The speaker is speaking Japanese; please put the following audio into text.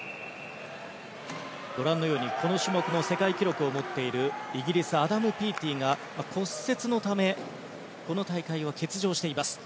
ご覧のように、この種目の世界記録を持っているイギリス、アダム・ピーティが骨折のためこの大会を欠場しています。